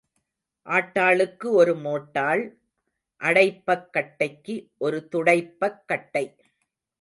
ஆட்டாளுக்கு ஒரு மோட்டாள் அடைப்பக் கட்டைக்கு ஒரு துடைப்பக் கட்டை.